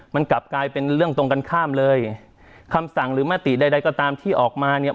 มันกลับกลายเป็นเรื่องตรงกันข้ามเลยคำสั่งหรือมติใดใดก็ตามที่ออกมาเนี่ย